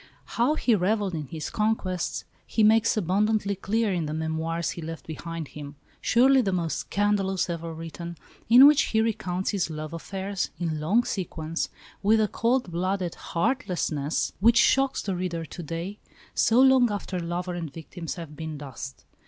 How he revelled in his conquests he makes abundantly clear in the Memoirs he left behind him surely the most scandalous ever written in which he recounts his love affairs, in long sequence, with a cold blooded heartlessness which shocks the reader to day, so long after lover and victims have been dust.